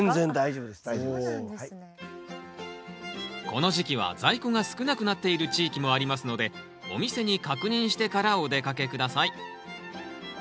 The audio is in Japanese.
この時期は在庫が少なくなっている地域もありますのでお店に確認してからお出かけ下さい。